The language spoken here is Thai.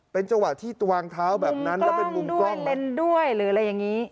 เป็นจังหวะที่วางเท้าแบบนั้นแล้วเป็นมุมกล้องเล่นด้วยหรืออะไรอย่างนี้